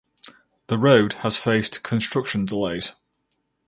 The road has faced construction delays.